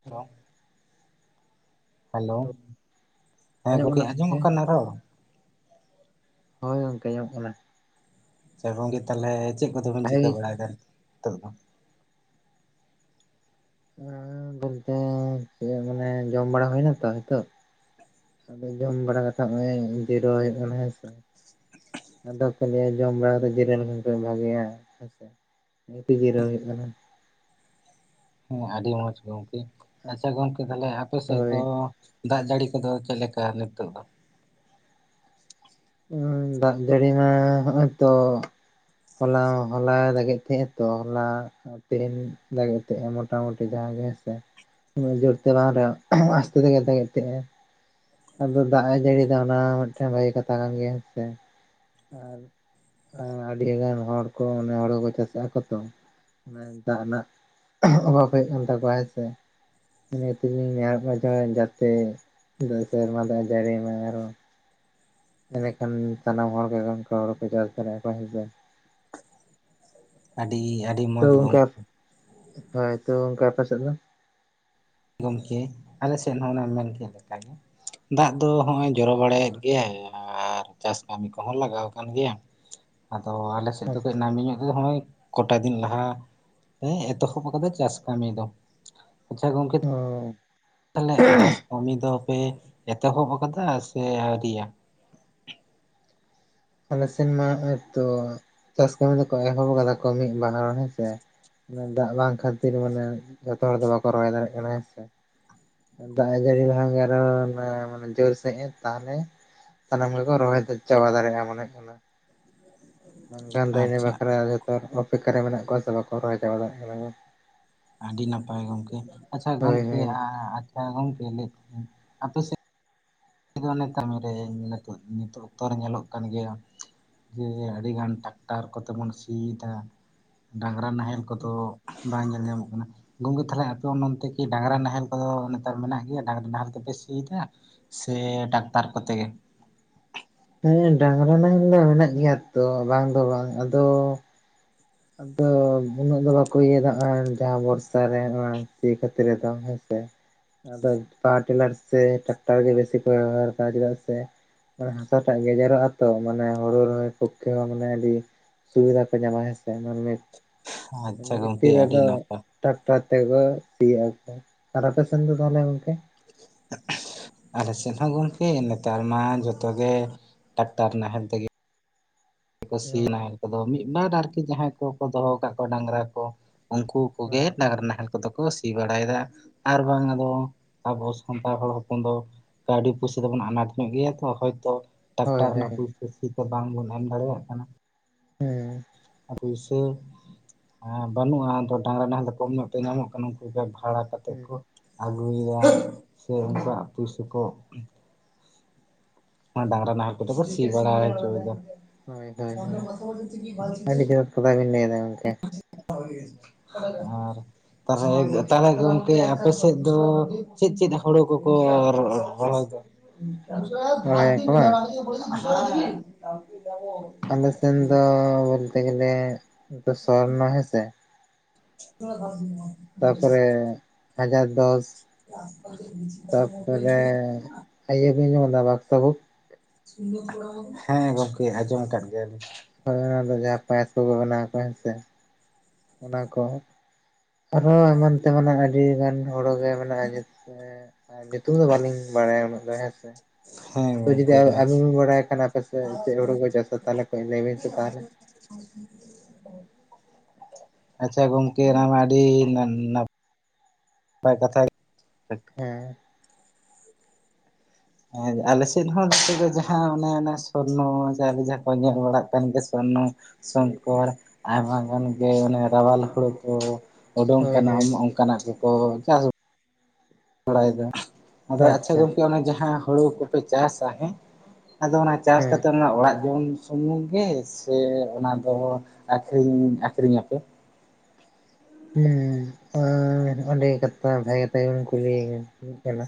[unintelligible] Hello ᱦᱮᱸ ᱜᱚᱢᱠᱮ ᱠᱟᱱᱟ ᱟᱸᱡᱚᱢ ᱜᱚᱝᱠᱮ ᱠᱟᱱᱟ ᱨᱚᱲ? ᱦᱳᱭ ᱜᱚᱢᱠᱮ ᱧᱟᱢᱚᱜ ᱠᱟᱱᱟ᱾ ᱟᱪᱪᱷᱟ ᱜᱚᱝᱠᱮ ᱛᱟᱦᱚᱞᱮ ᱪᱮᱫ ᱠᱚᱫᱚ ᱵᱮᱱ ᱪᱤᱠᱟᱹ ᱵᱷᱟᱜᱤ ᱵᱟᱲᱟᱭᱮᱫᱟ ᱱᱤᱛᱚᱜ ᱫᱚ? ᱦᱮ ᱜᱚᱢᱠᱮ ᱪᱮᱫ ᱢᱟᱱᱮ ᱡᱚᱢ ᱵᱟᱲᱟ ᱦᱩᱭᱱᱟᱛᱚ ᱱᱤᱛᱚᱜ ᱟᱫᱚ ᱡᱚᱢ ᱵᱟᱲᱟ ᱠᱟᱛᱮᱫ ᱱᱚᱜᱼᱚᱭ ᱡᱤᱨᱟᱣ ᱦᱩᱭᱩᱜ ᱠᱟᱱᱟ ᱦᱮᱸ ᱥᱮ ᱟᱫᱚ ᱠᱚ ᱞᱟᱹᱭᱟ ᱡᱚᱢ ᱵᱟᱲᱟ ᱫᱚ ᱡᱤᱨᱟᱣ ᱦᱚᱸᱠᱩ ᱵᱷᱟᱜᱮᱭᱟ ᱦᱮᱸ ᱥᱮ ᱡᱤᱨᱟᱹᱣ ᱦᱩᱭᱩᱜ ᱠᱟᱱᱟ᱾ ᱦᱮᱸ ᱟᱹᱰᱤ ᱢᱚᱸᱡᱽ ᱜᱚᱢᱠᱮ ᱟᱪᱪᱷᱟ ᱜᱚᱢᱠᱮ ᱛᱟᱦᱚᱞᱮ ᱟᱯᱮ ᱥᱮᱫ ᱦᱳᱭ ᱫᱚ ᱫᱟᱜ ᱡᱟᱹᱲᱤ ᱠᱚᱫᱚ ᱪᱮᱫ ᱞᱮᱠᱟ ᱱᱤᱛᱚᱜ ᱫᱚ? ᱫᱟᱜ ᱡᱟᱹᱲᱤ ᱢᱟ ᱱᱚ-ᱚᱭᱛᱚ ᱦᱚᱞᱟ ᱦᱚᱞᱟ ᱫᱟᱜᱮᱫ ᱛᱟᱦᱮᱸᱫ ᱛᱚ ᱦᱚᱞᱟ ᱛᱮᱦᱮᱧ ᱞᱟᱹᱜᱤᱫ ᱛᱮ ᱢᱚᱴᱟᱢᱩᱴᱤ ᱡᱟᱦᱟᱸ ᱜᱮ ᱦᱮᱸᱥᱮ ᱡᱩᱨᱛᱮ ᱵᱟᱝ ᱨᱮᱦᱚ ᱟᱥᱛᱮᱧᱚᱜ ᱫᱟᱜᱮᱫ ᱛᱟᱦᱮᱸᱫ ᱟᱫᱚ ᱫᱟᱜ ᱮ ᱡᱟᱹᱲᱤᱭ ᱫᱟᱜ ᱚᱱᱟ ᱢᱤᱫᱴᱮᱱ ᱵᱷᱟᱹᱜᱤ ᱠᱟᱛᱷᱟ ᱠᱟᱱ ᱜᱮᱭᱟ ᱦᱮᱸ ᱥᱮ ᱟᱹᱰᱤ ᱜᱟᱱ ᱦᱚᱲ ᱠᱚ ᱚᱱᱮ ᱦᱚᱲᱩ ᱠᱚ ᱪᱟᱥᱟᱜᱼᱟ ᱠᱚ ᱛᱚ ᱫᱟᱜ ᱨᱮᱱᱟᱜ ᱚᱵᱷᱟᱵ ᱦᱩᱭᱩᱜ ᱠᱟᱱ ᱛᱟᱠᱚᱣᱟ ᱦᱮᱸ ᱥᱮ ᱤᱱᱟᱹ ᱛᱮᱞᱤᱧ ᱱᱮᱦᱮᱨᱚᱜ ᱠᱟᱱᱟ ᱡᱟᱛᱮ ᱫᱟᱜ ᱥᱮᱨᱢᱟ ᱫᱟᱜ ᱮ ᱡᱟᱹᱲᱤᱭ ᱢᱟ ᱟᱨᱚ ᱮᱸᱰᱮᱠᱷᱟᱱ ᱥᱟᱱᱟᱢ ᱦᱚᱲᱜᱮ ᱦᱩᱲᱳᱠᱚ ᱪᱟᱥ ᱫᱟᱲᱮᱭᱟᱜᱼᱟ ᱠᱚ ᱦᱮᱥᱮ ᱟᱹᱰᱤ ᱾ ᱛᱚ ᱜᱚᱢᱠᱮ ᱦᱳᱭ ᱛᱚ ᱜᱚᱢᱠᱮ ᱟᱯᱮ ᱥᱮᱫ ᱫᱚ? ᱜᱚᱢᱠᱮ ᱟᱞᱮ ᱥᱮᱫ ᱦᱚᱸ ᱚᱱᱮ ᱢᱮᱱ ᱠᱮᱫ ᱞᱮᱠᱟᱜᱮ ᱫᱟᱜ ᱫᱚ ᱱᱚᱸᱜᱼᱚᱭ ᱡᱚᱨᱚ ᱵᱟᱲᱟᱭᱮᱫ ᱜᱮᱭᱟᱭ ᱾ ᱟᱨ ᱪᱟᱥ ᱠᱟᱹᱢᱤ ᱠᱚᱦᱚᱸ ᱞᱟᱜᱟᱣ ᱟᱠᱟᱱ ᱜᱮᱭᱟ ᱟᱫᱚ ᱟᱞᱮ ᱥᱮᱫ ᱫᱚ ᱠᱟᱹᱡ ᱟᱪᱪᱷᱟ ᱱᱟᱹᱢᱤ ᱧᱚᱜ ᱼᱼ ᱱᱚᱸᱜᱼᱚᱭ ᱠᱚᱴᱟ ᱫᱤᱱ ᱞᱟᱦᱟ ᱮᱛᱚᱦᱚᱵ ᱟᱠᱟᱫᱟ ᱪᱟᱥ ᱠᱟᱹᱢᱤ ᱫᱚ ᱾ ᱟᱪᱪᱷᱟ ᱜᱚᱝᱠᱮᱼᱼ [unintelligible] ᱛᱟᱦᱞᱮ ᱪᱟᱥ ᱠᱟᱹᱢᱤ ᱫᱚ ᱯᱮ ᱮᱛᱚᱦᱚᱵ ᱟᱠᱟᱫᱟ ᱥᱮ ᱟᱹᱣᱨᱤᱭᱟ? ᱟᱞᱮ ᱥᱮᱱ ᱢᱟ ᱱᱚᱜᱼᱚᱭ ᱛᱚ ᱪᱟᱥ ᱠᱟᱹᱢᱤ ᱫᱚ ᱠᱚ ᱮᱦᱚᱵ ᱠᱟᱫᱟ ᱠᱚ ᱢᱤᱫ ᱵᱟᱨ ᱦᱮᱸ ᱥᱮ ᱾ ᱫᱟᱜ ᱵᱟᱝ ᱠᱷᱟᱹᱛᱤᱨ ᱢᱟᱱᱮ ᱡᱚᱛᱚ ᱦᱚᱲ ᱫᱚ ᱵᱟᱠᱚ ᱨᱚᱦᱚᱭ ᱫᱟᱲᱮᱭᱟᱜ ᱠᱟᱱᱟ ᱦᱮᱸ ᱥᱮ ᱾ ᱫᱟᱜ ᱡᱟᱹᱲᱤ ᱞᱟᱦᱟ ᱜᱮ ᱟᱨᱚ [unintelligible] ᱡᱳᱨ ᱥᱮᱫ ᱮ ᱛᱟᱦᱚᱞᱮ ᱼᱼ ᱥᱟᱱᱟᱢ ᱜᱮ ᱠᱚ ᱨᱚᱦᱚᱭ ᱪᱟᱵᱟ ᱫᱟᱲᱮᱭᱟᱜᱼᱟ ᱢᱚᱱᱮᱜ ᱠᱟᱱᱟ ᱾ ᱵᱟᱝᱠᱷᱟᱱ ᱫᱚ ᱤᱱᱟᱹ ᱟᱪᱪᱷᱟ ᱵᱟᱠᱷᱨᱟ ᱡᱚᱛᱚ ᱚᱯᱮᱠᱠᱷᱟ ᱨᱮ ᱢᱮᱱᱟᱜ ᱠᱚᱣᱟ ᱥᱮ ᱵᱟᱠᱚ ᱨᱚᱦᱚᱭ ᱪᱟᱵᱟ ᱫᱟᱲᱮᱭᱟᱜ ᱠᱟᱱᱟ ᱵᱟᱝ ᱾ ᱟᱹᱰᱤ ᱱᱟᱯᱟᱭ ᱜᱚᱢᱠᱮ, ᱟᱪᱪᱷᱟ ᱠᱚ᱾ ᱦᱳᱭ ᱜᱚᱢᱠᱮ ᱦᱳᱭ ᱟᱪᱪᱷᱟ ᱜᱚᱝᱠᱮ ᱞᱟᱹᱭ ᱛᱟᱦᱮᱫ ᱤᱧ ᱟᱯᱮ ᱥᱮᱫ ᱼᱼ ᱫᱚ ᱚᱱᱮ ᱠᱟᱹᱢᱤᱨᱮ ᱱᱤᱛᱚᱜ ᱱᱤᱛᱚᱜ ᱚᱠᱛᱚ ᱨᱮ ᱧᱮᱞᱚᱜ ᱠᱟᱱ ᱜᱮᱭᱟ ᱼᱼ ᱡᱮ ᱟᱹᱰᱤᱜᱟᱱ ᱴᱟᱠᱴᱟᱨ ᱠᱚ ᱛᱮᱵᱚᱱ ᱥᱤᱭᱮᱫᱟ ᱰᱟᱝᱨᱟ ᱱᱟᱦᱮᱞ ᱠᱚᱫᱚᱼᱼ ᱵᱟᱝ ᱧᱮᱞ ᱧᱟᱢᱚᱜ ᱠᱟᱱᱟ ᱾ ᱜᱚᱢᱠᱮ ᱛᱟᱦᱚᱞᱮ ᱟᱯᱮ ᱚᱱᱼᱚᱱᱛᱮ ᱠᱤ ᱰᱟᱝᱨᱟ ᱱᱟᱦᱮᱞ ᱠᱚ ᱫᱚ ᱱᱮᱛᱟᱨ ᱢᱮᱱᱟᱜ ᱜᱮᱭᱟ ᱰᱟᱝᱨᱟ ᱱᱟᱦᱮᱞ ᱛᱮᱯᱮ ᱥᱤᱭᱮᱫᱟ? ᱥᱮ ᱴᱟᱠᱴᱟᱨ ᱠᱚ ᱛᱮᱜᱮ? ᱦᱮᱸ ᱰᱟᱝᱨᱟ ᱱᱟᱦᱮᱞ ᱫᱚ ᱢᱮᱱᱟᱜ ᱜᱮᱭᱟ ᱛᱚ ᱵᱟᱝ ᱫᱚ ᱵᱟᱝ ᱟᱫᱚᱼᱼ ᱟᱫᱚ ᱩᱱᱟᱹᱜ ᱫᱚ ᱵᱟᱠᱚ ᱤᱭᱟᱹᱭᱮᱫᱟ ᱡᱟᱦᱟᱸ ᱵᱚᱨᱥᱟ ᱨᱮ ᱥᱤ ᱠᱷᱟᱹᱛᱤᱨ ᱫᱚ ᱦᱮᱸ ᱥᱮ ᱾ ᱟᱫᱚ ᱯᱟᱣᱟᱨ ᱴᱤᱞᱟᱨ ᱥᱮ ᱴᱟᱠᱴᱚᱨ ᱜᱮ ᱵᱮᱥᱤ ᱠᱩ ᱵᱮᱣᱦᱟᱨᱮᱫᱟ ᱪᱮᱫᱟᱜ ᱥᱮ ᱼᱼ ᱦᱟᱥᱟ ᱴᱟᱜ ᱜᱮᱡᱮᱨᱚᱜᱼᱟ ᱛᱚ ᱢᱟᱱᱮ ᱦᱩᱲᱩ ᱨᱚᱦᱚᱭ ᱯᱚᱠᱠᱷᱮ ᱦᱚᱸ ᱢᱟᱱᱮ ᱟᱹᱰᱤ ᱼᱼ ᱥᱩᱵᱤᱫᱷᱟ ᱠᱚ ᱧᱟᱢᱟ ᱦᱮᱸᱥᱮ ᱢᱟᱹᱱᱢᱤ ᱠᱚ ᱾ ᱟᱪᱪᱷᱟ ᱤᱱᱟᱹ ᱜᱚᱝᱠᱮ ᱠᱷᱟᱛᱤᱨ ᱟᱹᱰᱤ ᱟᱫᱚ ᱱᱟᱯᱟᱭ ᱼᱼ ᱴᱟᱠᱴᱟᱨ ᱛᱮᱠᱚ ᱥᱤᱭᱟ ᱟᱨᱠᱤ ᱟᱯᱮ ᱥᱮᱱ ᱫᱚ ᱛᱟᱦᱚᱞᱮ ᱜᱚᱝᱠᱮ? [unintelligible] ᱟᱞᱮ ᱥᱮᱫ ᱦᱚᱸ ᱜᱚᱢᱠᱮ ᱱᱮᱛᱟᱨ ᱢᱟ ᱡᱚᱛᱚ ᱜᱮ ᱴᱟᱠᱴᱟᱨ ᱱᱟᱦᱮᱞ ᱛᱮ ᱜᱮ ᱼᱼ ᱠᱚ ᱥᱤᱭᱟ ᱱᱟᱦᱮᱞ ᱛᱮᱫᱚ ᱢᱤᱫ ᱵᱟᱨ ᱟᱨᱠᱤ ᱡᱟᱦᱟᱸᱭ ᱠᱚᱠᱚ ᱫᱚᱦᱚ ᱟᱠᱟᱫ ᱠᱚᱣᱟ ᱰᱟᱝᱨᱟ ᱠᱚ ᱩᱱᱠᱩᱼᱼ ᱠᱚ ᱜᱮ ᱦᱳᱭ ᱰᱟᱝᱨᱟ ᱱᱟᱦᱮᱞ ᱼᱼ ᱠᱚᱫᱚ ᱠᱚ ᱥᱤ ᱵᱟᱲᱟᱭᱮᱫᱟ ᱟᱨ ᱵᱟᱝ ᱟᱫᱚ ᱟᱵᱚ ᱥᱟᱱᱛᱟᱲ ᱦᱚᱲ ᱦᱚᱯᱚᱱ ᱫᱚ ᱼᱼ ᱠᱟᱹᱣᱰᱤ ᱯᱩᱭᱥᱟ ᱫᱚ ᱵᱚᱱ ᱟᱱᱟᱴ ᱧᱚᱜ ᱜᱮᱭᱟ ᱛᱚ ᱦᱚᱭᱛᱚᱼᱼ ᱦᱳᱭ ᱴᱨᱟᱠᱴᱟᱨ ᱨᱮᱱᱟᱜ ᱦᱮᱸ ᱯᱩᱭᱥᱟᱹ ᱥᱤ ᱛᱮ ᱵᱟᱝᱵᱚᱱ ᱮᱢ ᱫᱟᱲᱮᱭᱟᱜ ᱠᱟᱱᱟ ᱾ ᱦᱩᱸ ᱾ ᱯᱩᱭᱥᱟᱹ ᱵᱟᱹᱱᱩᱜᱼᱟ ᱟᱫᱚ ᱰᱟᱝᱨᱟ ᱱᱟᱦᱮᱞ ᱫᱚ ᱠᱚᱢ ᱧᱚᱜ ᱛᱮ ᱧᱟᱢᱚᱜ ᱠᱟᱱᱟ ᱩᱱᱠᱩ ᱵᱷᱟᱲᱟ ᱼᱼ ᱠᱟᱛᱮᱫ ᱠᱚ ᱟᱹᱜᱩᱭᱮᱫᱟ ᱥᱮ ᱩᱱᱠᱩᱣᱟᱜ ᱯᱩᱭᱥᱟᱹ ᱠᱚ ᱼᱼ ᱰᱟᱝᱨᱟ ᱱᱟᱦᱮᱞ ᱠᱚᱛᱮ ᱠᱚ ᱥᱤ ᱵᱟᱲᱟ ᱦᱚᱪᱚᱭᱮᱫᱟ ᱦᱳᱭ ᱦᱳᱭ ᱦᱳᱭ ᱾ [unintelligible] ᱞᱟᱹᱭ ᱮᱫᱟ ᱜᱚᱝᱠᱮᱼᱼ [unintelligible] ᱟᱨ ᱼᱼ ᱛᱟᱦᱚᱞᱮ ᱛᱟᱦᱚᱞᱮ ᱜᱚᱝᱠᱮ ᱟᱯᱮ ᱥᱮᱫ ᱫᱚ ᱪᱮᱫ ᱪᱮᱫ ᱦᱳᱲᱳ ᱠᱚᱠᱚ ᱨᱚᱦᱚᱭ ᱫᱟ? ᱨᱚᱦᱚᱭᱟᱠᱚ ᱵᱟᱝ [unintelligible] ᱟᱞᱮ ᱥᱮᱱ ᱫᱚ ᱵᱚᱞᱛᱮ ᱜᱮᱞᱮ ᱥᱚᱨᱱᱚ ᱦᱮᱸ ᱥᱮ ᱾ [unintelligible] ᱛᱟᱯᱚᱨᱮ ᱦᱟᱡᱟᱨ ᱫᱚᱥ ᱾ [inaudible] ᱤᱭᱟᱹ ᱵᱤᱱ ᱟᱡᱚᱢ ᱠᱟᱫᱟ ᱵᱟᱫᱥᱟᱦᱚ? [unintelligible] ᱦᱮᱸ ᱜᱚᱝᱠᱮ ᱟᱸᱡᱚᱢ ᱟᱠᱟᱫ ᱜᱮᱭᱟ ᱞᱤᱧ ᱾ ᱫᱚ ᱡᱟᱦᱟᱸ ᱯᱟᱭᱮᱥ ᱠᱚᱠᱚ ᱵᱮᱱᱟᱣ ᱠᱚ ᱦᱮᱸ ᱥᱮ ᱾ ᱚᱱᱟ ᱠᱚ ᱟᱨᱦᱚ ᱮᱢᱟᱱ ᱛᱮᱢᱟᱱᱟᱜ ᱟᱹᱰᱤ ᱜᱟᱱ ᱼᱼ ᱦᱩᱲᱳ ᱜᱮ ᱢᱮᱱᱟᱜᱼᱟ ᱧᱩᱛᱩᱢ ᱫᱚ ᱵᱟᱹᱞᱤᱧ ᱵᱟᱲᱟᱭᱟ ᱩᱱᱟᱹᱜ ᱫᱚ ᱦᱮᱸᱥᱮ ᱦᱮᱸ ᱾ ᱛᱚ ᱡᱩᱫᱤ ᱜᱚᱝᱠᱮ ᱟᱵᱤᱱ ᱵᱤᱱ ᱵᱟᱲᱟᱭ ᱠᱷᱟᱱ ᱟᱯᱮ ᱥᱮᱫ ᱪᱮᱫ ᱦᱩᱲᱩ ᱠᱚ ᱪᱟᱥᱟ ᱛᱟᱦᱚᱞᱮ ᱠᱟᱹᱡ ᱞᱟᱹᱭ ᱵᱤᱱ ᱥᱮ ᱛᱟᱦᱚᱞᱮ ᱾ ᱦ [inaudible] ᱟᱪᱪᱷᱟ ᱜᱚᱝᱠᱮ ᱚᱱᱟ ᱢᱟ ᱟᱹᱰᱤ ᱱᱟ ᱱᱟᱯᱟᱭ ᱠᱟᱛᱷᱟ ᱦᱮᱸ ᱦᱮᱸ ᱟᱞᱮ ᱥᱮᱫ ᱦᱚᱸ ᱱᱚᱛᱚᱜ ᱫᱚ ᱡᱟᱦᱟᱸ ᱚᱱᱮ ᱚᱱᱟ ᱥᱚᱨᱱᱚ ᱟᱞᱮ ᱡᱟᱦᱟᱸ ᱠᱚ ᱧᱮᱞ ᱵᱟᱲᱟᱜ ᱠᱟᱱ ᱜᱮᱭᱟ ᱥᱚᱨᱱᱚ ᱥᱚᱝᱠᱚᱨ ᱟᱭᱢᱟ ᱜᱟᱱ ᱜᱮ ᱚᱱᱮ ᱨᱟᱣᱟᱞ ᱦᱩᱲᱳ ᱠᱚ ᱩᱰᱩᱝ ᱦᱳᱭ ᱠᱟᱱᱟ ᱦᱳᱭ ᱚᱱᱠᱟᱱᱟᱜ ᱜᱮ ᱠᱚᱠᱚ ᱡᱟᱭ ᱦᱳᱠ ᱵᱟᱲᱟᱭᱟ ᱟᱫᱚ ᱟᱪᱪᱷᱟ ᱜᱚᱝᱠᱮ ᱚᱱᱟ ᱡᱟᱦᱟᱸ ᱦᱩᱲᱩ ᱠᱚᱯᱮ ᱪᱟᱥᱟ ᱦᱮᱸ ᱟᱫᱚ ᱚᱱᱟ ᱪᱟᱥ ᱦᱮᱸ ᱠᱟᱛᱮ ᱚᱲᱟᱜ ᱡᱚᱢ ᱥᱩᱢᱩᱝ ᱜᱮ ᱥᱮ ᱚᱱᱟ ᱫᱚ ᱟᱹᱠᱷᱨᱤᱧ ᱟᱹᱠᱷᱨᱤᱧ ᱟᱯᱮ ᱦᱮᱸ ᱚᱸᱰᱮ ᱠᱟᱛᱷᱟ ᱵᱷᱟᱜᱮ ᱠᱟᱛᱷᱟ [inaudible] ᱠᱩᱞᱤ ᱠᱟᱱᱟ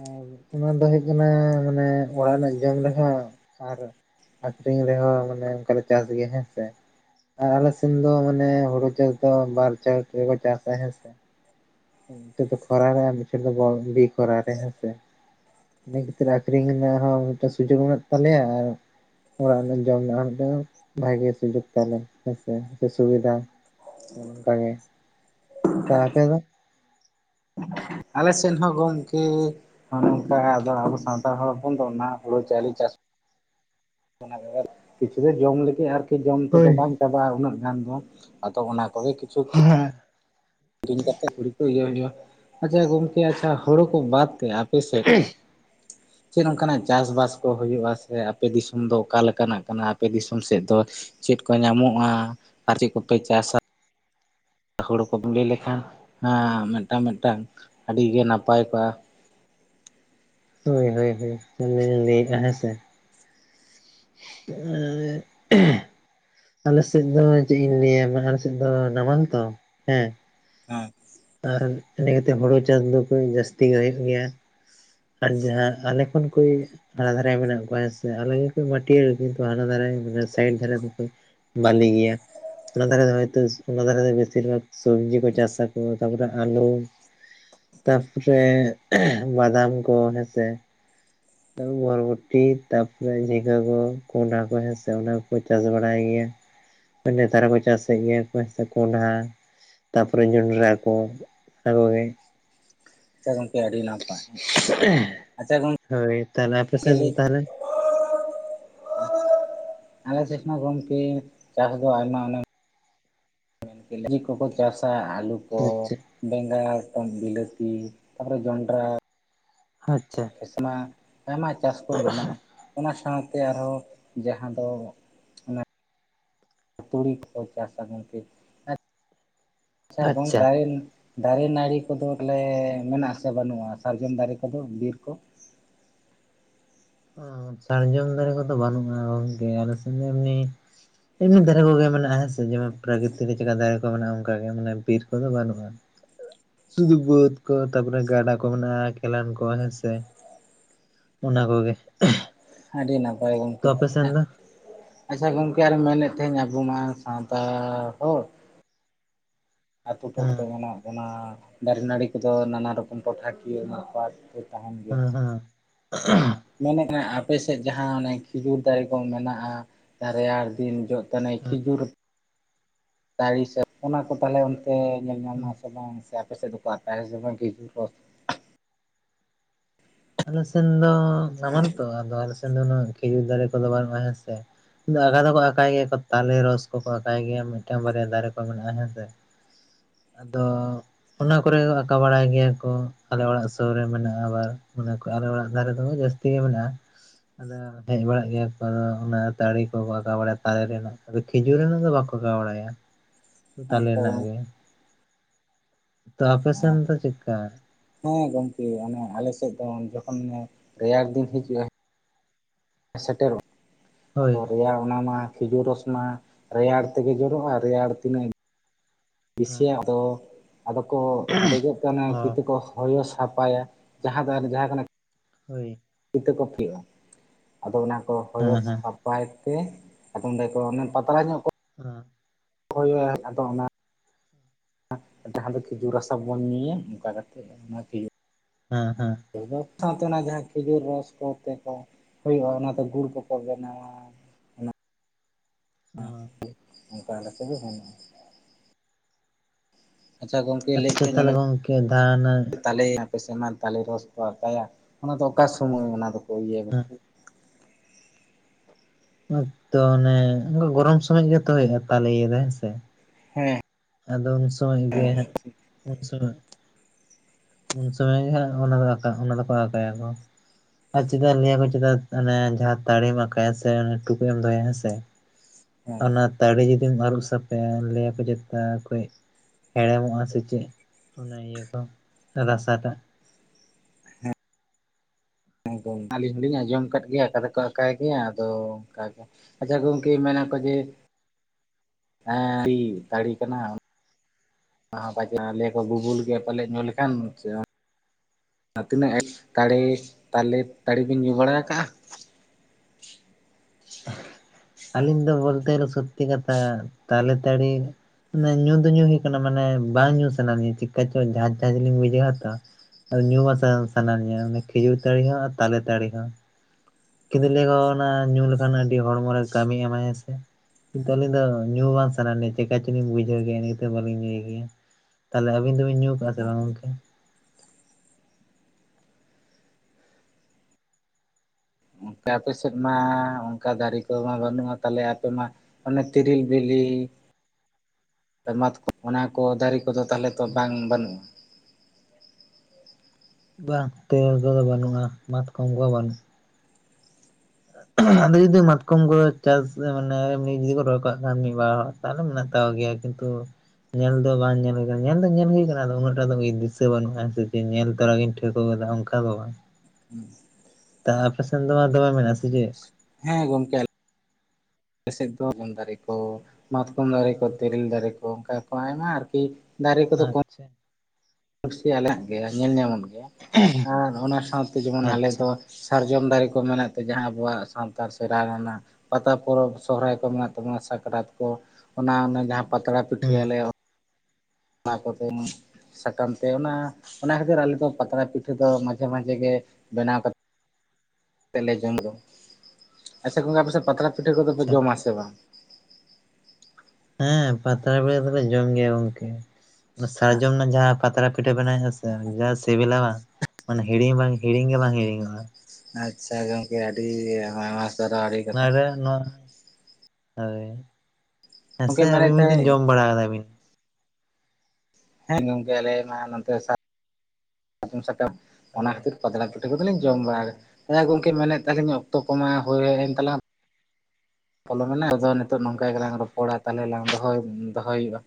ᱟᱨ ᱚᱱᱟ ᱫᱚ ᱦ ᱦᱩᱭᱩᱜ ᱠᱟᱱᱟ ᱢᱟᱱᱮ ᱚᱲᱟᱜ ᱨᱮᱱᱟᱜ ᱡᱚᱢ ᱨᱮᱦᱚᱸ ᱟᱨ ᱟᱠᱷᱨᱤᱧ ᱨᱮᱦᱚᱸ ᱢᱟᱱᱮ ᱚᱱᱠᱟ ᱞᱮ ᱪᱟᱥ ᱜᱮᱭᱟ ᱦᱮᱸ ᱥᱮ ᱟᱨ ᱟᱞᱮ ᱥᱮᱱ ᱫᱚ ᱢᱟᱱᱮ ᱦᱩᱲᱩ ᱪᱟᱥ ᱫᱚ ᱵᱟᱨ ᱪᱚᱴ ᱨᱮᱠᱚ ᱪᱟᱥᱟ ᱦᱮᱸᱥᱮ ᱛᱚ ᱠᱷᱚᱨᱟᱨ ᱨᱮ ᱪ [inaudible] ᱠᱷᱚᱨᱟᱨ ᱨᱮ ᱦᱮᱸ ᱥᱮ ᱤᱱᱟᱹ ᱠᱷᱟᱹᱛᱤᱨ ᱟᱠᱷᱨᱤᱧ ᱨᱮᱱᱟᱜ ᱦᱚᱸ ᱢᱤᱫ ᱥᱩᱡᱳᱜ ᱢᱮᱱᱟᱜ ᱛᱟᱞᱮᱭᱟ ᱟᱨ ᱚᱲᱟᱜ ᱞᱮ ᱡᱚᱢ ᱧᱮ ᱵᱷᱟᱜᱮ ᱥᱩᱡᱳᱜᱽ ᱛᱟᱞᱮ ᱦᱮᱸᱥᱮ ᱥᱮ ᱥᱩᱵᱤᱫᱷᱟ ᱚᱱᱠᱟᱜ ᱜᱮ ᱟ ᱟᱯᱮ ᱫᱚ ᱟᱞᱮ ᱥᱮᱫ ᱦᱚᱸ ᱜᱚᱢᱠᱮ ᱚᱱᱮ ᱚᱱᱠᱟ ᱟ ᱟᱵᱚ ᱥᱟᱱᱛᱟᱲ ᱦᱚᱲ ᱦᱚᱯᱚᱱ ᱫᱚ ᱚᱱᱟ ᱦᱩᱲᱩ ᱪᱟᱹᱣᱞᱮ ᱪᱟᱥ ᱠᱤᱪᱷᱩ ᱫᱚ ᱡᱚᱢ ᱞᱟᱹᱜᱤᱫ ᱟᱨᱠᱤ ᱡᱚᱢ ᱛᱮᱫᱚ ᱦᱳᱭ ᱵᱟᱝ ᱪᱟᱵᱟᱜᱼᱟ ᱩᱱᱟᱹᱜ ᱜᱟᱱ ᱫᱚ ᱟᱫᱚ ᱚᱱᱟ ᱠᱚᱜᱮ ᱠᱤᱪᱷᱩ ᱦᱳᱭ ᱫᱤᱱ ᱠᱟᱛᱮ ᱠᱩᱷᱲᱤ ᱠᱚ ᱤᱭᱟᱹᱟᱹᱜ ᱦᱩᱭᱩᱜᱼᱟ ᱟᱪᱪᱷᱟ ᱜᱚᱝᱠᱮ ᱟᱪᱪᱷᱟ ᱦᱩᱲᱩ ᱠᱚ ᱵᱟᱫ ᱟᱯᱮ ᱥᱮᱫ ᱪᱮᱫ ᱝᱠᱟᱱᱟᱜ ᱪᱟᱥᱼᱵᱟᱥ ᱠᱚ ᱦᱩᱭᱩᱜᱼᱟ ᱥᱮ ᱟᱯᱮ ᱫᱤᱥᱚᱢ ᱫᱚ ᱚᱠᱟ ᱞᱮᱠᱟᱱᱟᱜ ᱠᱟᱱᱟ ᱟᱯᱮ ᱫᱤᱥᱚᱢ ᱥᱮᱫ ᱫᱚ ᱪᱮᱫ ᱠᱚ ᱧᱟᱢᱚᱜᱼᱟ ᱟᱨ ᱪᱮᱫ ᱠᱚᱯᱮ ᱪᱟᱥᱟ ᱦᱩᱲᱩ ᱠᱚᱢ ᱞᱟᱹᱭ ᱞᱮᱠᱷᱟᱱ ᱢᱤᱫᱴᱟᱝ ᱢᱤᱫᱴᱟᱝ ᱟᱹᱰᱤ ᱜᱮ ᱱᱟᱯᱟᱭ ᱠᱚᱜᱼᱟ ᱦᱳᱭ ᱦᱳᱭ ᱟᱞᱤᱧ ᱞᱤᱧ ᱞᱮᱭ ᱮᱫ-ᱟ ᱦᱳᱭ ᱥᱮ ᱟ [inaudible] ᱟᱞᱮᱥᱮᱫ ᱫᱚ ᱪᱮᱫ ᱤᱧ ᱞᱟᱹᱭᱟ ᱟᱞᱮᱥᱮᱫ ᱫᱚ ᱱᱟᱢᱟᱞ ᱛᱚ ᱦᱮᱸ ᱦᱮᱸ ᱟᱨ ᱤᱱᱟᱹ ᱠᱟᱛᱮᱜ ᱦᱩᱲᱩ ᱪᱟᱥ ᱫᱚᱠᱚ ᱡᱟᱹᱥᱛᱤ ᱜᱮ ᱦᱩᱭᱩᱜ ᱜᱮᱭᱟ ᱾ ᱟᱨ ᱡᱟᱦᱟᱸ ᱟᱞᱮ ᱠᱷᱚᱱ ᱠᱚᱡ ᱦᱟᱱᱟ ᱫᱷᱟᱨᱮ ᱢᱮᱱᱟᱜ ᱠᱚᱣᱟ ᱥᱮ ᱟᱞᱮ ᱢᱟᱹᱴᱮᱭ ᱠᱤᱱᱛᱩ ᱦᱟᱱᱟ ᱫᱷᱟᱨᱮ ᱥᱟᱭᱤᱰ ᱫᱷᱟᱨᱮ ᱫᱚ ᱵᱷᱟᱹᱞᱤ ᱜᱮᱭᱟ ᱚᱱᱟ ᱫᱷᱟᱨᱮ ᱦᱚᱭᱛᱳ ᱚᱱᱟ ᱫᱷᱟᱨ ᱫᱚ ᱵᱮᱥᱤᱨ ᱵᱷᱟᱜᱽ ᱥᱚᱵᱡᱤ ᱠᱚ ᱪᱟᱥᱟ ᱾ ᱛᱟᱯᱚᱨᱮ ᱟᱞᱩ ᱛᱟᱯᱚᱨᱮ ᱵᱟᱫᱟᱢ ᱠᱚ ᱦᱮᱸᱥᱮ ᱦ [inaudible] ᱵᱚᱨᱵᱚᱴᱤ ᱛᱟᱯᱚᱨᱮ ᱡᱷᱤᱸᱜᱟᱹ ᱠᱚ ᱠᱚᱸᱰᱟ ᱠᱚ ᱦᱮᱸ ᱥᱮ ᱚᱱᱟ ᱠᱚᱠᱚ ᱪᱟᱥ ᱵᱟᱲᱟᱭ ᱜᱮᱭᱟ ᱾ ᱱᱮᱛᱟᱨ ᱠᱚ ᱪᱟᱥᱮᱫ ᱜᱮᱭᱟ ᱠᱚᱸᱰᱷᱟ ᱛᱟᱯᱚᱨᱮ ᱡᱚᱸᱰᱨᱟ ᱠᱚ ᱟᱨ [inaudible] ᱠᱮᱲ [inaudible] [inaudible] ᱦᱳᱭ ᱛᱟᱦᱚᱞᱮ ᱟᱯᱮ ᱥᱮᱫ ᱞᱟᱹᱭ ᱛᱟᱦᱚᱞᱮ ᱟᱞᱮ ᱥᱮᱫ ᱢᱟ ᱜᱚᱝᱠᱮ ᱪᱟᱥ ᱫᱚ ᱟᱭᱢᱟ ᱵᱤᱞᱟᱹᱛᱤ ᱠᱚᱠᱚ ᱪᱟᱥᱟ ᱟᱹᱞᱩ ᱠᱚ ᱟᱪᱪᱷᱟ ᱵᱮᱸᱜᱟᱲ ᱵᱤᱞᱟᱹᱛᱤ ᱛᱟᱯᱚᱨᱮ ᱡᱚᱸᱰᱨᱟ ᱟᱪᱪᱷᱟ ᱾ ᱪᱮᱥᱢᱟ ᱟᱭᱢᱟ ᱪᱟᱥ ᱠᱚ ᱢᱮᱱᱟᱜᱼᱟ ᱚᱱᱟ ᱥᱟᱶᱛᱮ ᱟᱨᱦᱚᱸ ᱡᱟᱦᱟᱸ ᱫᱚ ᱚᱱᱟ ᱦᱟᱸᱜ ᱛᱩᱲᱤ ᱠᱚ ᱪᱟᱥᱟ ᱜᱚᱝᱠᱮ ᱟᱪᱪᱷᱟ ᱜᱚᱝᱠᱮ ᱫᱟᱨᱮ ᱫᱟᱨᱮ ᱱᱟᱹᱲᱤ ᱠᱚᱫᱚ ᱛᱟᱦᱚᱞᱮ ᱢᱮᱱᱟᱜ ᱟᱥᱮ ᱵᱟᱹᱱᱩᱜᱼᱟ ᱥᱟᱨᱡᱚᱢ ᱫᱟᱨᱮ ᱠᱚᱫᱚ ᱵᱤᱨ ᱠᱚ? ᱥᱟᱨᱡᱚᱢ ᱫᱟᱨᱮ ᱠᱚᱫᱚ ᱵᱟᱹᱱᱩᱜᱼᱟ ᱜᱚᱝᱠᱮ ᱟᱞᱮ ᱥᱮᱫ ᱫᱚ ᱮᱢᱱᱤ ᱮᱢᱱᱤ ᱫᱟᱨᱮ ᱠᱚᱜᱮ ᱢᱮᱱᱟᱜᱼᱟ ᱦᱮᱸᱥᱮ ᱡᱮᱢᱚᱱ ᱯᱨᱟᱠᱨᱤᱛᱤᱠ ᱪᱮᱼᱠᱟ ᱫᱟᱨᱮ ᱠᱚ ᱢᱮᱱᱟᱜᱼᱟ ᱚᱱᱠᱟ ᱜᱮ ᱢᱟᱱᱮ ᱵᱤᱨ ᱠᱚᱫᱚ ᱵᱟᱹᱱᱩᱜᱼᱟ ᱾ ᱦᱳᱭ ᱾ ᱥᱩᱫᱩ ᱵᱟᱹᱫᱽ ᱠᱚ ᱛᱟᱨᱯᱚᱨᱮ ᱜᱟᱰᱟ ᱠᱚ ᱢᱮᱱᱟᱜᱼᱟ ᱠᱮᱞᱟᱱ ᱠᱚ ᱦᱮᱸᱥᱮ ᱾ ᱚᱱᱟ ᱠᱚᱜᱮ ᱾ ᱟᱹᱰᱤ ᱱᱟᱯᱟᱭ ᱜᱚᱝᱠᱮ ᱾ ᱟᱪᱪᱷᱟ ᱜᱚᱝᱠᱮ ᱟᱨ ᱢᱮᱱᱮᱫ ᱛᱟᱦᱮᱱ ᱟᱵᱚ ᱢᱟ ᱥᱟᱶᱛᱟ ᱦᱚᱲ ᱟᱹᱛᱩᱳ ᱦᱮᱸ ᱴᱚᱞᱟ ᱠᱚᱛᱮ ᱢᱮᱱᱟᱜ ᱵᱚᱱᱟ ᱫᱟᱨᱮ ᱱᱟᱹᱲᱤ ᱠᱚᱫᱚ ᱱᱟᱱᱟ ᱨᱚᱠᱚᱢ ᱴᱚᱴᱷᱟᱠᱤᱭᱟᱹ ᱢᱮᱱᱟᱜ ᱠᱚ ᱦᱮᱸ ᱦᱮᱸ ᱾ ᱢᱮᱱᱮᱫ ᱟᱯᱮ ᱥᱮᱫ ᱡᱟᱦᱟᱸ ᱚᱱᱮ ᱠᱷᱤᱡᱩᱨ ᱫᱟᱨᱮ ᱠᱚ ᱢᱮᱱᱟᱜᱼᱟ ᱨᱮᱭᱟᱲ ᱫᱤᱱ ᱫᱚ ᱾ ᱚᱱᱮ ᱦᱮᱸ ᱠᱷᱤᱡᱩᱨ ᱫᱟᱲᱮ ᱥᱮ ᱚᱱᱟ ᱠᱚ ᱛᱟᱦᱚᱞᱮ ᱾ ᱧᱮᱞ ᱧᱟᱢᱚᱜ ᱦᱮᱸ ᱟᱥᱮ ᱵᱟᱝ ᱥᱮ ᱟᱯᱮ ᱥᱮᱫ ᱫᱚ ᱟᱯᱮ ᱟᱠᱟᱭᱟ ᱥᱮ ᱵᱟᱝ ᱠᱷᱤᱡᱩᱨ? ᱟᱞᱮ ᱥᱮᱱ ᱫᱚ ᱱᱟᱢᱟᱞ ᱛᱚ ᱟᱫᱚ ᱟᱞᱮ ᱥᱮᱱ ᱫᱚ ᱠᱷᱤᱡᱩᱨ ᱫᱟᱨᱮ ᱠᱚᱫᱚ ᱵᱟᱹᱱᱩᱜᱼᱟ ᱦᱮᱸ ᱥᱮ ᱾ ᱟᱠᱟᱭ ᱫᱚᱠᱚ ᱟᱠᱟᱭ ᱜᱮᱭᱟ ᱠᱚ ᱛᱟᱞᱮ ᱨᱚᱥ ᱠᱚᱠᱚ ᱟᱠᱟᱣ ᱜᱮᱭᱟ ᱢᱤᱫᱴᱟᱝ ᱵᱟᱨᱭᱟ ᱫᱟᱨᱮ ᱠᱚ ᱢᱮᱱᱟᱜᱼᱟ ᱦᱮᱸ ᱥᱮ ᱟᱫᱚ ᱾ ᱚᱱᱟ ᱠᱚᱨᱮ ᱟᱠᱟᱣ ᱵᱟᱲᱟᱭ ᱜᱮᱭᱟ ᱠᱚ ᱟᱞᱮ ᱚᱲᱟᱜ ᱥᱩᱨ ᱨᱮ ᱢᱮᱱᱟᱜᱼᱟ ᱟᱵᱟᱨ ᱚᱱᱟ ᱠᱚ ᱟᱞᱮ ᱚᱲᱟᱜ ᱫᱷᱟᱨᱮ ᱫᱚ ᱡᱟᱹᱥᱛᱤ ᱛᱤ ᱢᱮᱱᱟᱜᱼᱟ ᱾ [inaudible] ᱟᱫᱚ ᱦᱮᱡ ᱵᱟᱲᱟᱜ ᱜᱮᱭᱟ ᱠᱚ ᱟᱫᱚ ᱚᱱᱟ ᱛᱟᱹᱲᱤ ᱠᱚᱠᱚ ᱟᱠᱟᱣ ᱵᱟᱲᱟᱭᱟ ᱛᱟᱨᱮ ᱨᱮᱱᱟᱜ ᱟᱫᱚ ᱠᱷᱤᱡᱩᱨ ᱨᱮᱱᱟᱜ ᱫᱚ ᱵᱟᱠᱚ ᱟᱠᱟ ᱵᱟᱲᱟᱭᱟ ᱾ [inaudible] ᱦᱟᱞᱮ ᱨᱮᱱᱟᱜ ᱜᱮ ᱾ ᱛᱚ ᱚᱯᱮ ᱥᱮᱱ ᱫᱚ ᱪᱮᱫᱠᱟ ᱾ ᱦᱮᱸ ᱜᱚᱝᱠᱮ ᱚᱱᱮ ᱟᱞᱮ ᱥᱮᱫ ᱫᱚ ᱡᱚᱠᱷᱚᱱ ᱨᱮᱭᱟᱲ ᱫᱤᱱ ᱦᱤᱡᱩᱜᱼᱟ ᱾ ᱥᱮᱴᱮᱨᱚᱜᱼᱟ ᱦᱳᱭ ᱟᱫᱚ ᱨᱮᱭᱟᱲ ᱚᱱᱟ ᱢᱟᱹ ᱠᱷᱤᱡᱩᱨ ᱨᱚᱥᱢᱟᱹ ᱨᱮᱭᱟᱲ ᱛᱮᱜᱮ ᱡᱚᱨᱚᱜᱼᱟ ᱨᱮᱭᱟᱲ ᱛᱤᱱᱟᱹᱜ ᱦᱮᱸ ᱵᱤᱥᱤᱭᱟᱜ ᱫᱚ ᱟᱫᱚ ᱠᱚ ᱫᱮᱡᱚᱜ ᱠᱟᱱᱟ ᱚ ᱠᱤᱱᱛᱩ ᱠᱚ ᱦᱚᱭᱚ ᱥᱟᱯᱷᱟᱭᱟ ᱡᱟᱦᱟᱸ ᱫᱚ ᱟᱨ ᱡᱟᱦᱟᱸ ᱾ ᱦᱳᱭ ᱤᱛᱟᱹ ᱠᱚᱯᱤᱭᱳᱜᱼᱟ ᱟᱫᱚ ᱚᱱᱟ ᱠᱚ ᱦᱚᱭᱚ ᱦᱮᱸ ᱥᱟᱵ ᱦᱮᱸ ᱥᱟᱯᱷᱟᱭ ᱛᱮ ᱟᱫᱚ ᱚᱸᱰᱮ ᱠᱚ ᱯᱟᱛᱲᱟ ᱧᱚᱜ ᱠᱚ ᱟᱨ ᱾ ᱠᱚᱼᱟ ᱟᱫᱚ ᱚᱱᱟ ᱡᱟᱦᱟᱸ ᱫᱚ ᱠᱷᱤᱡᱩᱨ ᱨᱟᱥᱟ ᱵᱚᱱ ᱧᱩᱭᱟ ᱚᱱᱠᱟ ᱠᱟᱛᱮᱜ ᱚᱱᱟ ᱠᱷᱤᱡ ᱦᱮᱸᱼᱦᱮᱸ ᱥᱟᱶᱛᱮ ᱚᱱᱟ ᱡᱟᱦᱟᱸ ᱠᱷᱤᱡᱩᱨ ᱨᱚᱥ ᱠᱚᱛᱮ ᱠᱚ ᱦᱩᱭᱩᱜᱼᱟ ᱚᱱᱟᱛᱮ ᱜᱩᱲ ᱠᱚᱠᱚ ᱵᱮᱱᱟᱣᱟ ᱚᱱᱟ ᱚ ᱚᱱᱠᱟ ᱠᱟᱛᱮ ᱜᱮ ᱜᱟᱱᱚᱜᱼᱟ ᱟᱪᱪᱷᱟ ᱜᱚᱢᱠᱮ ᱞᱟᱹᱭ ᱟᱪᱪᱷᱟ ᱛᱟᱦᱚᱞᱮ ᱛᱟᱦᱮᱱᱟᱧ ᱜᱚᱝᱠᱮ ᱫᱷᱟᱱᱟ ᱛᱟᱞᱮ ᱯᱮ ᱥᱮ ᱮᱢᱟᱱ ᱛᱟᱞᱮ ᱨᱚᱥ ᱠᱚ ᱟᱠᱟᱭᱟ ᱚᱱᱟ ᱫᱚ ᱚᱠᱟ ᱥᱚᱢᱚᱭ ᱚᱱᱟ ᱫᱚᱠᱚ ᱤᱭᱟᱹ ᱭᱟ ᱜᱚᱢᱠᱮ? ᱦᱳ ᱛᱚ ᱚᱱᱮ ᱚᱱᱠᱟ ᱜᱚᱨᱚᱢ ᱥᱚᱢᱚᱭ ᱜᱮᱛᱚ ᱦᱩᱭᱩᱜᱼᱟ ᱛᱟᱦᱚᱞᱮ ᱤᱭᱟᱹ ᱫᱚ ᱦᱮᱸ ᱥᱮ ᱾ ᱦᱮᱸ ᱟᱫᱚ ᱩᱱ ᱥᱚᱢᱚᱭ ᱜᱮ ᱦᱟᱸᱜ ᱩᱱ ᱥᱚᱢᱚᱭ ᱩᱱ ᱥᱚᱢᱚᱭ ᱜᱮ ᱦᱟᱸᱜ ᱚᱱᱟ ᱫᱚ ᱟᱠᱟᱸ ᱚᱱᱟ ᱫᱚᱠᱚ ᱟᱠᱟᱸ ᱭᱟᱠᱚ ᱾ ᱟᱨ ᱪᱮᱫᱟᱜ ᱱᱤᱭᱟᱹ ᱠᱚ ᱪᱮᱫᱟᱜ ᱡᱟᱦᱟᱸ ᱛᱟᱲᱮᱢ ᱟᱠᱟᱭᱟ ᱥᱮ ᱴᱩᱠᱩᱡ ᱮᱢ ᱫᱚᱦᱚᱭᱟ ᱦᱮᱸ ᱥᱮ ᱦᱚᱸ ᱚᱱᱟ ᱛᱟᱲᱮ ᱡᱩᱫᱤᱢ ᱟᱹᱨᱩᱵ ᱥᱟᱯᱷᱮᱭᱟ ᱞᱟᱹᱭᱟ ᱠᱚ ᱡᱟ ᱛᱟᱨᱠᱚ ᱦᱮᱲᱮᱢᱚᱜᱼᱟ ᱥᱮ ᱪᱮᱫ ᱚᱱᱟ ᱤᱭᱟᱹ ᱠᱚ ᱨᱟᱥᱟᱴᱟᱜ ᱟᱹᱞᱤᱧ ᱦᱚᱸᱞᱤᱧ ᱟᱸᱡᱚᱢ ᱟᱠᱟᱫ ᱜᱮᱭᱟ ᱟᱠᱟᱠᱟ ᱫᱚᱠᱚ ᱟᱠᱟᱭ ᱜᱮᱭᱟ ᱟᱫᱚ ᱚᱱᱠᱟ ᱜᱮ ᱟᱪᱪᱷᱟ ᱜᱚᱝᱠᱮ ᱢᱮᱱᱟ ᱠᱚ ᱡᱮ ᱦᱮᱸ ᱫᱟᱲᱮ ᱠᱟᱱᱟ ᱚᱱᱟ ᱦᱚᱸ ᱯᱟᱪᱮ ᱞᱮᱭᱟ ᱠᱚ ᱵᱩᱵᱩᱞ ᱜᱮ ᱯᱟᱞᱮ ᱧᱩ ᱞᱮᱠᱷᱟᱱ ᱥᱮ ᱛᱤᱱᱟᱹᱜ ᱮᱴ ᱛᱟᱲᱮ ᱛᱟᱞᱮ ᱛᱟᱹᱲᱤ ᱵᱤᱱ ᱧᱩ ᱵᱟᱲᱟ ᱟᱠᱟᱜᱼᱟ ᱟᱹᱞᱤᱧ ᱫᱚ ᱵᱚᱞᱛᱮ ᱥᱚᱛᱛᱤ ᱠᱟᱛᱷᱟ ᱛᱟᱞᱮ ᱛᱟᱲᱤ ᱢᱟᱱᱮ ᱧᱩ ᱫᱚ ᱧᱩ ᱦᱩᱭᱩᱜ ᱠᱟᱱᱟ ᱢᱟᱱᱮ ᱵᱟᱝ ᱧᱩ ᱥᱟᱱᱟ ᱞᱤᱧᱟ ᱪᱮᱠᱟ ᱪᱚ ᱡᱷᱟᱡᱽ ᱡᱷᱟᱡᱽ ᱞᱤᱧ ᱵᱩᱡᱟᱣᱟ ᱛᱚ ᱧᱩ ᱢᱟ ᱥᱟ ᱥᱟᱱᱟᱞᱤᱧᱟ ᱠᱷᱤᱡᱩᱨ ᱛᱟᱹᱲᱤ ᱦᱚᱸ ᱛᱟᱞᱮ ᱛᱟᱹᱲᱤ ᱦᱚᱸ ᱡᱚᱫᱤ ᱞᱟᱹᱭ ᱠᱚ ᱚᱱᱟ ᱧᱩ ᱞᱮᱠᱷᱟᱱ ᱟᱹᱰᱤ ᱦᱚᱲᱢᱚ ᱨᱮ ᱠᱟᱹᱢᱤ ᱮᱢᱟᱭ ᱥᱮ ᱠᱤᱱᱛᱩ ᱟᱹᱞᱤᱧ ᱫᱚ ᱧᱩ ᱵᱟᱝ ᱥᱟᱱᱟᱞᱤᱧ ᱪᱮᱠᱟ ᱪᱚᱞᱤᱧ ᱵᱩᱡᱟᱹᱣ ᱜᱮᱭᱟ ᱤᱱᱟᱹᱛᱮᱫ ᱵᱟᱞᱤᱧ ᱧᱩᱭ ᱜᱮᱭᱟ ᱛᱟᱦᱚᱞᱮ ᱟᱵᱤᱱ ᱫᱚᱵ ᱤᱱ ᱧᱩ ᱠᱟᱜᱼᱟ ᱥᱮ ᱵᱟᱝ ᱜᱚᱝᱠᱮ ᱜᱚᱝᱠᱮ ᱟᱯᱮ ᱥᱮᱫ ᱢᱟ ᱚᱱᱠᱟ ᱫᱟᱨᱮ ᱠᱚ ᱢᱟ ᱵᱟᱹᱱᱩᱜᱼᱟ ᱛᱟᱦᱚᱞᱮ ᱟᱯᱮ ᱢᱟ ᱚᱱᱮ ᱛᱤᱨᱤᱞ ᱵᱤᱞᱤ ᱢᱟᱛᱠᱟᱢ ᱚᱱᱟ ᱠᱚ ᱫᱟᱨᱮ ᱠᱚᱫᱚ ᱛᱟᱦᱚᱞᱮ ᱛᱚ ᱵᱟᱝ ᱵᱟᱹᱱᱩᱜᱼᱟ ᱵᱟᱝ ᱛᱤᱨᱤ ᱠᱚᱫᱚ ᱵᱟᱹᱱᱩᱜᱼᱟ ᱢᱟᱛᱠᱚᱢ ᱠᱚ ᱦᱚᱸ ᱵᱟᱹᱱᱩᱜ ᱟᱫᱚ ᱡᱩᱫᱤ ᱢᱟᱛᱠᱚᱢ ᱠᱚ ᱪᱟᱥ ᱢᱟᱱᱮ ᱮᱢᱱᱤ ᱡᱩᱫᱤ ᱠᱚ ᱨᱚᱦᱚᱭ ᱠᱟᱜ ᱠᱷᱟᱱ ᱢᱤᱫ ᱵᱟᱨ ᱦᱚᱲ ᱛᱟᱦᱚᱞᱮ ᱢᱮᱱᱟᱜ ᱛᱟᱠᱚ ᱜᱮᱭᱟ ᱠᱤᱱᱛᱩ ᱧᱮᱞ ᱫᱚ ᱵᱟᱝ ᱧᱮᱞ ᱦᱩᱭ ᱟᱠᱟᱱᱟ ᱧᱮᱞ ᱫᱚ ᱧᱮᱞ ᱵᱟᱝ ᱦᱩᱭ ᱟᱠᱟᱱᱟ ᱩᱱᱟᱹᱜ ᱴᱟᱜ ᱫᱚ ᱫᱤᱥᱟᱹ ᱵᱟᱹᱱᱩᱜᱼᱟ ᱥᱮ ᱪᱮᱫ ᱧᱮᱞ ᱛᱚᱨᱟ ᱜᱤᱧ ᱴᱷᱟᱹ ᱴᱷᱟᱹᱣᱠᱟᱹ ᱠᱟᱫᱟ ᱚᱱᱠᱟ ᱫᱚ ᱵᱟᱝ ᱦᱮᱸ ᱛᱟ ᱟᱯᱮ ᱥᱮᱱ ᱫᱚ ᱢᱟ ᱫᱚᱢᱮ ᱢᱮᱱᱟᱜᱼᱟ ᱥᱮ ᱪᱮ ᱦᱮᱸ ᱜᱚᱢᱠᱮ ᱟᱞᱮ ᱥᱮᱫ ᱫᱚ ᱫᱟᱨᱮ ᱠᱚ ᱢᱟᱛᱠᱚᱢ ᱫᱟᱨᱮ ᱠᱚ ᱛᱮᱨᱮᱞ ᱫᱟᱨᱮ ᱠᱚ ᱚᱱᱠᱟ ᱠᱚ ᱟᱭᱢᱟ ᱟᱨᱠᱤ ᱫᱟᱨᱮ ᱠᱚᱫᱚ ᱠᱚ ᱟᱪᱪᱷᱟ ᱠᱩᱥᱤ ᱟᱞᱮᱭᱟᱜ ᱜᱮᱭᱟ ᱧᱮᱞ ᱧᱟᱢᱚᱜ ᱜᱮᱭᱟ ᱟᱨ ᱚᱱᱟ ᱥᱟᱶᱛᱮ ᱡᱮᱢᱚᱱ ᱟᱞᱮ ᱟᱪᱪᱷᱟ ᱫᱚ ᱥᱟᱨᱡᱚᱢ ᱫᱟᱨᱮ ᱠᱚ ᱢᱮᱱᱟᱜ ᱛᱮ ᱡᱟᱦᱟᱸ ᱟᱵᱚᱣᱟᱜ ᱥᱟᱶᱛᱟᱲ ᱥᱮᱨᱟ ᱨᱮᱱᱟᱜ ᱯᱟᱛᱟ ᱯᱚᱨᱚᱵᱽ ᱥᱚᱦᱨᱟᱭ ᱠᱚ ᱢᱮᱱᱟᱜ ᱛᱟᱵᱚᱱᱟ ᱥᱟᱠᱨᱟᱛ ᱠᱚ ᱚᱱᱟ ᱚᱱᱟ ᱡᱟᱦᱟᱸ ᱯᱟᱛᱲᱟ ᱦᱩᱸ ᱯᱤᱴᱷᱟᱹᱭᱟᱞᱮ ᱚᱱᱟ ᱠᱚᱛᱮ ᱥᱟᱠᱟᱢ ᱛᱮ ᱚᱱᱟ ᱚᱱᱟ ᱠᱷᱟᱹᱛᱤᱨ ᱟᱞᱮ ᱫᱚ ᱯᱟᱛᱲᱟ ᱯᱤᱴᱷᱟᱹ ᱫᱚ ᱢᱟᱡᱷᱮ ᱢᱟᱡᱷᱮ ᱜᱮ ᱵᱮᱱᱟᱣ ᱠᱟᱛᱮ ᱮᱫ ᱞᱮ ᱡᱚᱢ ᱫᱚ ᱟᱪᱪᱷᱟ ᱜᱚᱝᱠᱮ ᱟᱯᱮ ᱥᱮᱫ ᱯᱟᱛᱲᱟ ᱯᱤᱴᱷᱟᱹ ᱠᱚ ᱫᱚ ᱯᱮ ᱟᱪᱪᱷᱟ ᱡᱚᱢᱟ ᱥᱮ ᱵᱟᱝ ᱦᱮᱸ ᱯᱟᱛᱲᱟ ᱯᱤᱴᱦᱟᱹ ᱫᱚ ᱞᱮ ᱡᱚᱢ ᱜᱮᱭᱟ ᱜᱚᱝᱠᱮ ᱥᱟᱨᱡᱚᱢ ᱨᱮᱱᱟᱜ ᱡᱟᱦᱟᱸ ᱯᱟᱛᱲᱟ ᱯᱤᱴᱷᱟᱹ ᱵᱮᱱᱟᱣ ᱦᱩᱭᱩᱜᱼᱟ ᱥᱮ ᱡᱟ ᱥᱤᱵᱤᱞ ᱟ ᱵᱟᱝ ᱦᱤᱲᱤᱧ ᱜᱮ ᱵᱟᱝ ᱦᱤᱲᱤᱧᱚᱜᱼᱟ ᱟᱪᱪᱷᱟ ᱜᱚᱝᱠᱮ ᱟᱹᱰᱤ ᱟᱭᱢᱟ ᱥᱟᱨᱦᱟᱣ ᱟᱹᱰᱤ ᱠᱟᱛᱷᱟ ᱱᱚᱣᱟ ᱨᱮ ᱱᱚᱣᱟ ᱦᱳᱭ ᱦᱮᱸ ᱜᱚᱝᱠᱮ ᱥᱮ ᱢᱮᱱᱮᱫ ᱟᱹᱵᱤᱱ ᱢᱤᱫ ᱫᱤᱱ ᱛᱟᱦᱮᱸᱫ ᱡᱚᱢ ᱵᱟᱲᱟ ᱠᱟᱫᱟ ᱵᱤᱱ ᱦᱮᱸ ᱜᱚᱢᱠᱮ ᱟᱞᱮ ᱢᱟ ᱱᱚᱛᱮ [unintelligible] ᱥᱟᱡᱚᱢ ᱥᱟᱠᱟᱢ ᱚᱱᱟ ᱦᱳᱭ ᱠᱷᱟᱹᱛᱤᱨ ᱯᱟᱛᱲᱟ ᱯᱤᱴᱷᱟᱹ ᱠᱚᱫᱚ ᱞᱤᱧ ᱡᱚᱢ ᱦᱮᱸ ᱵᱟᱲᱟ [unintelligible] ᱜᱚᱢᱠᱮ ᱢᱮᱱᱮᱫ ᱛᱟᱦᱮᱸᱱᱟ ᱞᱤᱧ ᱚᱠᱛᱚ ᱠᱚᱢᱟ ᱦᱳᱭ ᱦᱮᱜᱼᱮᱱ ᱛᱟᱞᱟᱝ ᱯᱚᱞᱚᱢ ᱮᱱᱟ ᱟᱫᱚ ᱱᱤᱛᱚᱜ ᱱᱚᱝᱠᱟ ᱜᱮᱞᱟᱝ ᱨᱚᱯᱚᱲᱟ ᱛᱟᱦᱞᱮ ᱞᱟᱝ ᱫᱚᱦᱚ ᱫᱚᱦᱚᱭ ᱦᱩᱭᱩᱜᱼᱟ